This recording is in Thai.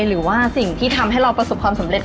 หรือว่าสิ่งที่ทำให้เราประสบความสำเร็จ